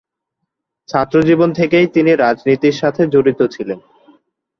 ছাত্র জীবন থেকেই তিনি রাজনীতির সাথে জড়িত ছিলেন।